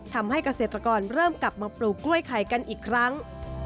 ทำให้เกษตรกรเริ่มกลับมาปลูกกล้วยไข่กันอีกครั้ง